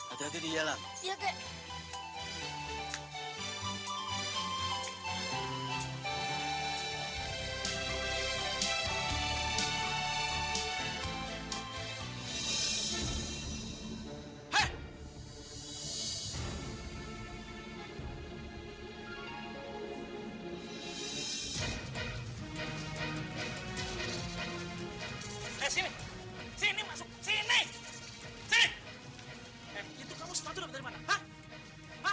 itu kamu sepatu dapet dari mana